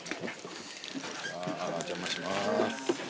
お邪魔します。